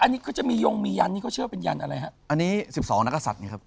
อันนี้ก็จะมียงมีนยันนี้เขาเชื่อว่าเป็นยันอะไรครับอันนี้๑๒นักสัตว์นี่ครับ